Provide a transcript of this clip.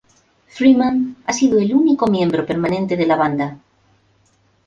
Freeman ha sido el único miembro permanente de la banda.